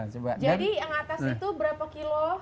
jadi yang atas itu berapa kilo